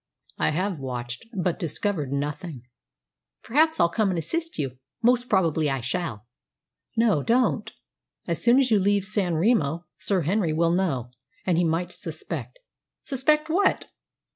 "I have watched, but discovered nothing." "Perhaps I'll come and assist you; most probably I shall." "No, don't! As soon as you leave San Remo Sir Henry will know, and he might suspect." "Suspect what?"